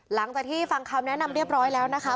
หลังจากที่ฟังคำแนะนำเรียบร้อยแล้วนะคะ